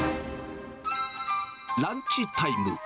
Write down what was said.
ランチタイム。